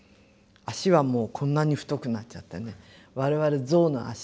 足はもうこんなに太くなっちゃってね我々ゾウの足って言ってましたけどね。